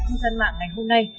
nhân dân mạng ngày hôm nay